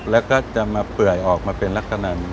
แล้วก็จะมาเปื่อยออกมาเป็นลักษณะ